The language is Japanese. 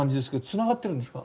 つながってます。